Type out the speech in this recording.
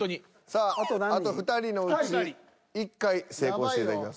さああと２人のうち１回成功していただきます。